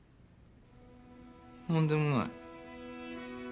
なんでもない。